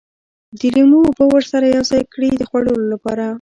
د لیمو اوبه ورسره یوځای کړي د خوړلو لپاره.